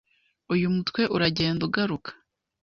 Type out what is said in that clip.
Uyu mutwe uragenda ugaruka